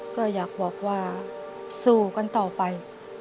ก็อยากบอกว่าสู้กันต่อไป